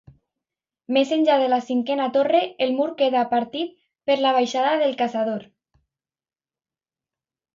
Més enllà de la cinquena torre, el mur queda partit per la baixada del Caçador.